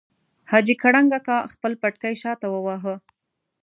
حاجي کړنګ اکا خپل پټکی شاته وواهه.